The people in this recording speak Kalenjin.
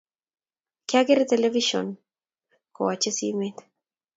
kiagere television kowache simet